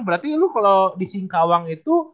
berarti lu kalau di singkawang itu